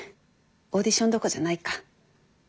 オーディションどころじゃないか。